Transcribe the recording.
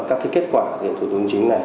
các kết quả của thủ tục hành chính này